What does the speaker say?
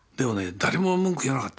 一人も文句言わなかった。